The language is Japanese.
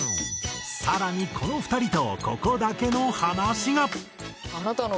更にこの２人とここだけの話が。